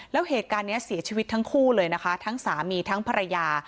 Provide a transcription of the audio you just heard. แล้วเหตุการณ์นี้เสียชีวิตทั้งคู่เลยนะคะทั้งสามีทั้งภรรยา